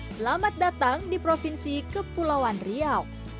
selamat datang di provinsi kepulauan riau